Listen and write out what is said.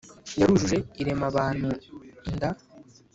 yarujuje irema abantu inda.